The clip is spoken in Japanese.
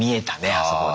あそこで。